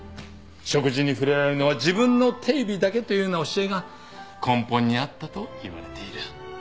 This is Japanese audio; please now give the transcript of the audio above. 食事に触れられるのは自分の手指だけというような教えが根本にあったといわれている。